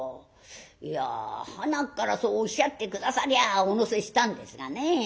いやはなっからそうおっしゃって下さりゃお乗せしたんですがね。